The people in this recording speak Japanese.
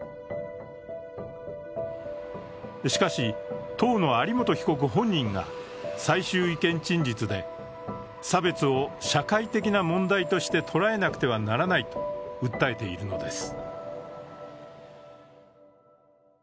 しかし、当の有本被告本人が最終意見陳述で、差別を社会的な問題として捉えなくてはならないと訴えているのです。